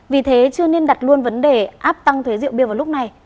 vì thế chưa nên đặt luôn vấn đề áp tăng thuế rượu bia vào lúc này